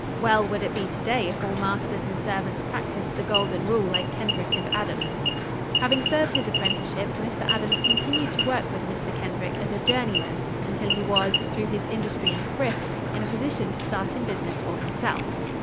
Well would it be to day if all masters and servants practised the golden rule like Kendrick and Adams. Having served his apprenticeship, Mr. Adams continued to work with Mr. Kendrick as a journeyman until he was, through his industry and thrift, in a position to start in business for himself.